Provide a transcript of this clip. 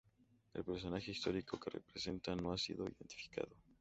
El personaje histórico que representa no ha sido identificado.